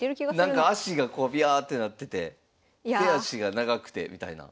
なんか足がこうびゃってなってて手足が長くてみたいな。